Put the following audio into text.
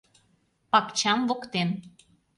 Пакчам воктен